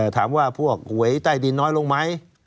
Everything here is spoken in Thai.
ถามว่าพวกหวยใต้ดินน้อยลงไหม